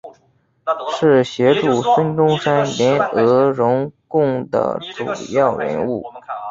是协助孙中山联俄容共的主要人物。